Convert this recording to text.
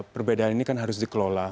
perbedaan ini kan harus dikelola